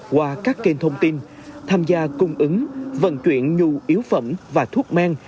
qua các kênh thông tin tham gia cung ứng vận chuyển nhu yếu phẩm và thuốc men